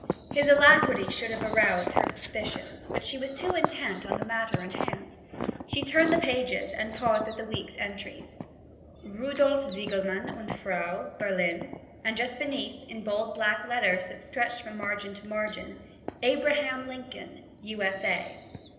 His alacrity should have aroused her suspicions; but she was too intent on the matter in hand. She turned the pages and paused at the week's entries; Rudolph Ziegelmann und Frau, Berlin; and just beneath, in bold black letters that stretched from margin to margin, Abraham Lincoln, U.S.A.